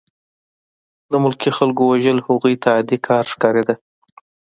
د ملکي خلکو وژل هغوی ته عادي کار ښکارېده